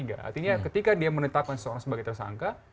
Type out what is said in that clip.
artinya ketika dia menetapkan seseorang sebagai tersangka